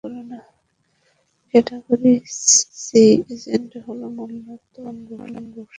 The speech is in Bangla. ক্যাটাগরি সি এজেন্ট হলো মূলতঃ উদীয়মান রোগ সংক্রামক জীবাণু এবং জিন প্রকৌশল দ্বারা পরিবর্তিত।